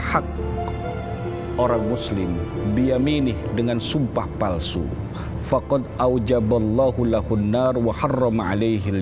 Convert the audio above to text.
hak orang muslim diamini dengan sumpah palsu fakult awjaballahu lahunnar wa haram alaihil